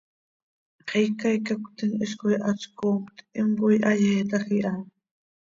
Xiica icacötim hizcoi hatzcoomt, himcoi hayeetaj iha.